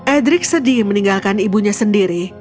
edric sedih meninggalkan ibunya sendiri